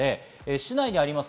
市内にあります